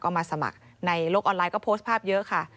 ก็มาสมัครในโลกออนไลน์ก็โพสต์ภาพเยอะค่ะ